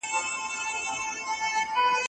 زه به ستا لپاره په موټر کې یو ځای خالي کړم.